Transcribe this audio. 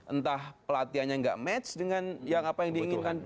entah pelatihannya nggak match dengan yang apa yang diinginkan